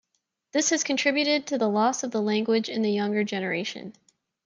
This has contributed to the loss of the language in the younger generation.